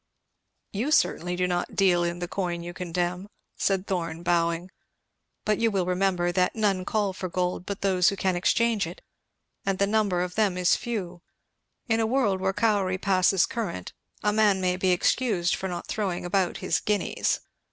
"You certainly do not deal in the coin you condemn," said Thorn bowing. "But you will remember that none call for gold but those who can exchange it, and the number of them is few. In a world where cowrie passes current a man may be excused for not throwing about his guineas."